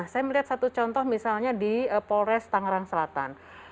saya melihat satu contoh misalnya di polres tangerang selatan